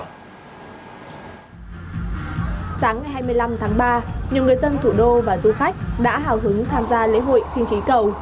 sáng ngày hai mươi năm tháng ba nhiều người dân thủ đô và du khách đã hào hứng tham gia lễ hội kinh khí cầu